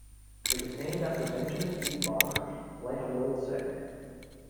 It was named after Benjamin E. Barnard, life loyal Sig.